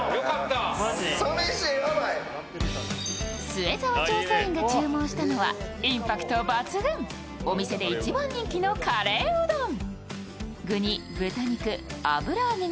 末澤調査員が注文したのはインパクト抜群、お店で一番人気のカレーうどん。